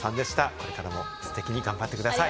これからもステキに頑張ってください。